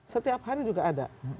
setiap hari juga ada